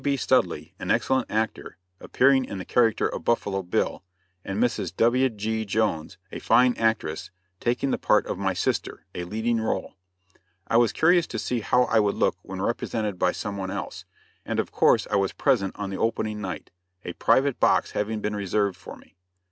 B. Studley, an excellent actor, appearing in the character of "Buffalo Bill," and Mrs. W.G. Jones, a fine actress, taking the part of my sister, a leading rôle. I was curious to see how I would look when represented by some one else, and of course I was present on the opening night, a private box having been reserved for me.